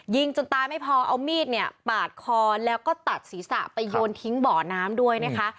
ยิงจนตายไม่พอเอามีดเนี่ยปาดคอแล้วก็ตัดศีรษะไปโยนทิ้งบ่อน้ำด้วยนะคะ